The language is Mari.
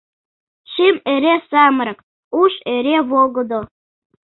Шӱм — эре самырык, уш — эре волгыдо.